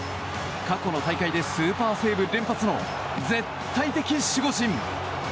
過去の大会でスーパーセーブ連発の絶対的守護神！